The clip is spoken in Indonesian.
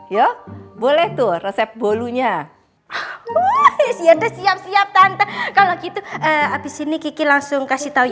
yo yo boleh tuh resep bolunya siap siap tante kalau gitu habis ini kiki langsung kasih tahu